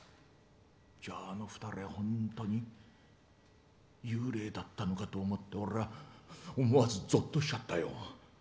じゃあ、あの２人は本当に幽霊だったのかと思って俺は思わずぞっとしちゃったよ。